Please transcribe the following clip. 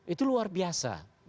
itu luar biasa